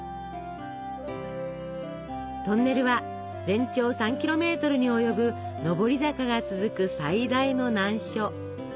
トンネルは全長３キロメートルに及ぶ上り坂が続く最大の難所。